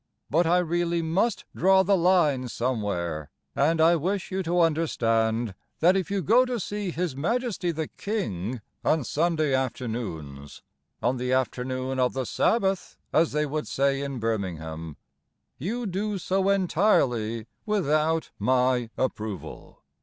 But I really must draw the line somewhere, And I wish you to understand That if you go to see His Majesty the King On Sunday afternoons (On the afternoon of the Sabbath, as they would say in Birmingham), You do so entirely without my approval.